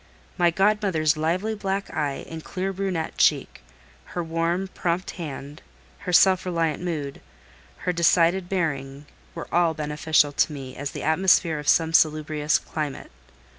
My godmother's lively black eye and clear brunette cheek, her warm, prompt hand, her self reliant mood, her decided bearing, were all beneficial to me as the atmosphere of some salubrious climate.